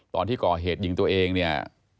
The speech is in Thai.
ตอนที่ก่อเหตุยิงตัวเองเนี่ย